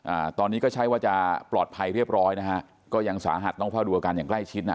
อ่าตอนนี้ก็ใช้ว่าจะปลอดภัยเรียบร้อยนะฮะก็ยังสาหัสต้องเฝ้าดูอาการอย่างใกล้ชิดน่ะ